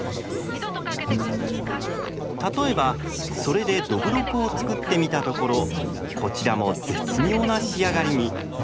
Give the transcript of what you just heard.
例えばそれで「どぶろく」を造ってみたところこちらも絶妙な仕上がりに。